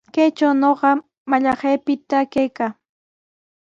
Kaytraw ñuqa mallaqnaypita kaykaa.